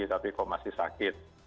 tapi kok masih sakit